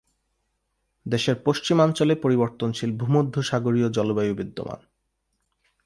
দেশের পশ্চিমাঞ্চলে পরিবর্তনশীল ভূমধ্যসাগরীয় জলবায়ু বিদ্যমান।